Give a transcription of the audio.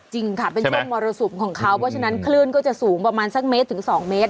จริงค่ะเป็นช่วงมรสุมของเขาเพราะฉะนั้นคลื่นก็จะสูงประมาณสักเมตรถึง๒เมตร